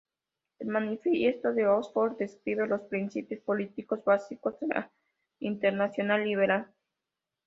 El "Manifiesto de Oxford" describe los principios políticos básicos de la Internacional Liberal.